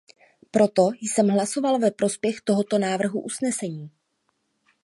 Proto jsem hlasoval ve prospěch tohoto návrhu usnesení.